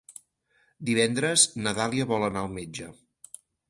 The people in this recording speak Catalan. Divendres na Dàlia vol anar al metge.